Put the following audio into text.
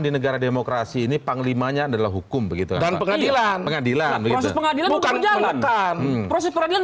di negara demokrasi ini panglimanya adalah hukum begitu dan pengadilan pengadilan bukan